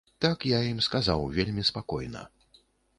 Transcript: Так я ім сказаў вельмі спакойна.